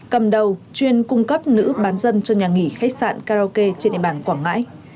cầm đầu chuyên cung cấp nữ bán dân cho nhà nghỉ khách sạn karaoke trên địa bàn quảng ngãi